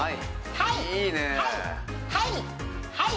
はい！